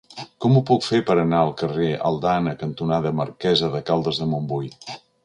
Com ho puc fer per anar al carrer Aldana cantonada Marquesa de Caldes de Montbui?